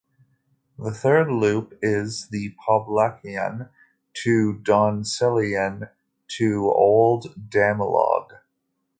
The third loop is the Poblacion to Doncilyon to Old Damulog.